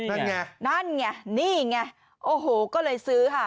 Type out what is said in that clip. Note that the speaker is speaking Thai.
นั่นไงนั่นไงนี่ไงโอ้โหก็เลยซื้อค่ะ